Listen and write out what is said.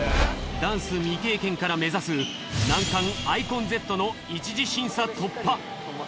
ダンス未経験から目指す難関ｉＣＯＮＺの一次審査突破。